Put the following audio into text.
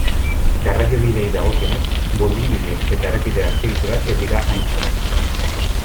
Garraiobideei dagokienez, burdinbide- eta errepide-azpiegiturak ez dira hain txarrak.